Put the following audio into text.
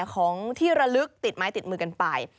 ของที่ระลึกติดไม้ติดมือกันไป